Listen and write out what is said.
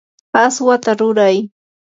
aswata ruray.